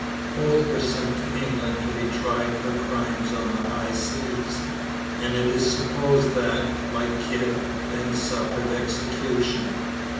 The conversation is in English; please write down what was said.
Both were sent to England to be tried for crimes on the high seas; and it is supposed that, like Kidd, Ben suffered execution.